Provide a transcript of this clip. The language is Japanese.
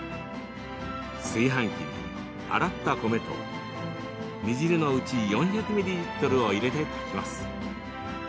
炊飯器に、洗った米と煮汁のうち４００ミリリットルを入れて炊きます。